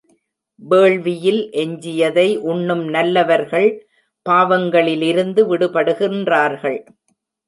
வேள்வியில் எஞ்சியதை உண்ணும் நல்லவர்கள் பாவங்களிலிருந்து விடுபடுகின்றார்கள்.